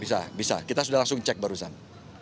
bisa bisa kita sudah langsung cek barusan